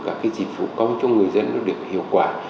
các cái dịch vụ công cho người dân được hiệu quả